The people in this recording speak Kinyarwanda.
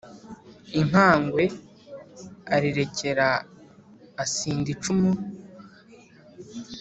Inkagwe arirekera asinda icumu